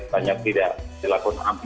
banyak tidak dilakukan